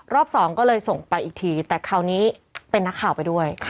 สองก็เลยส่งไปอีกทีแต่คราวนี้เป็นนักข่าวไปด้วย